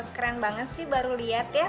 keren banget sih baru lihat ya